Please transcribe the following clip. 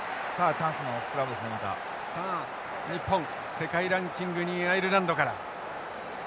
世界ランキング２位アイルランドから。